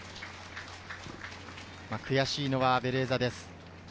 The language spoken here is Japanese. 悔しいのはベレーザです。